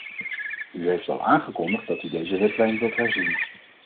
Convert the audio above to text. U heeft al aangekondigd dat u deze richtlijn wilt herzien.